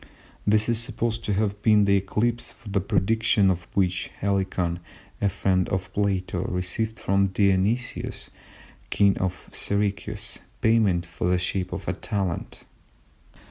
This is supposed to have been the eclipse for the prediction of which Helicon, a friend of Plato, received from Dionysius, King of Syracuse, payment in the shape of a talent.